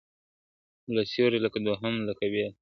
لکه سیوری، لکه وهم، لکه وېره ..